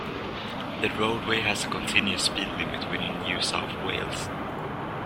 The roadway has a continuous speed limit within New South Wales.